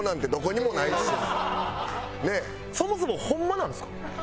そもそもホンマなんですか？